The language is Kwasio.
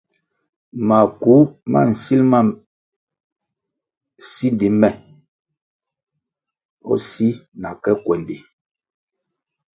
Maku ma nsil ma sindi me si na ke kwendi.